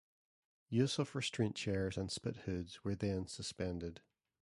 Use of restraint chairs and spithoods were then suspended.